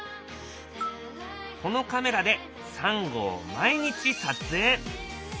このカメラでサンゴを毎日撮影。